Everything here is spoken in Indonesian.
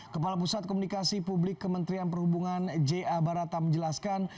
kepala pusat komunikasi publik kementerian perhubungan ja barata menjelaskan